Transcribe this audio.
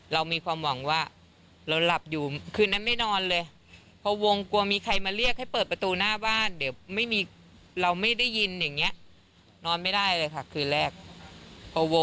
ได้ขอบคุณได้ขอบคุณพอใจที่สุดแล้ว